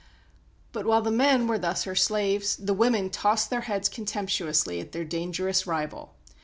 But while the men were thus her slaves, the women tossed their heads contemptuously at their dangerous rival.